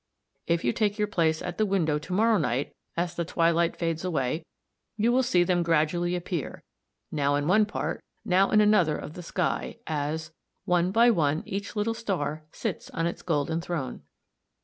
If you take your place at the window to morrow night as the twilight fades away, you will see them gradually appear, now in one part, now in another of the sky, as "One by one each little star Sits on its golden throne."